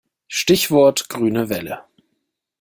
Stichwort grüne Welle.